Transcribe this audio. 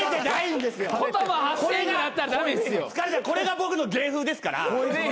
これが僕の芸風ですから。